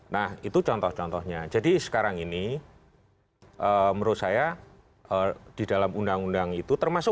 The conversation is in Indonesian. nah itu contoh contohnya jadi sekarang ini menurut saya di dalam undang undang itu termasuk